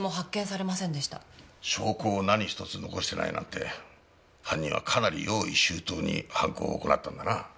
証拠を何一つ残してないなんて犯人はかなり用意周到に犯行を行ったんだな。